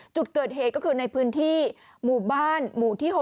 จุดเกิดเหตุก็คือในพื้นที่หมู่บ้านหมู่ที่๖